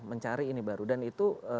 mencari ini baru dan itu